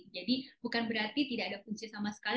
jadi bukan berarti tidak ada fungsi sama sekali